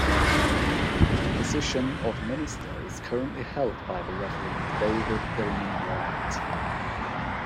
The position of minister is currently held by the Reverend David Illman-White.